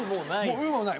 「う」もない。